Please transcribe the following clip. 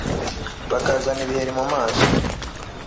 bakazana ibiheri mu maso